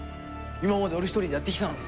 今まで俺一人でやってきたのに。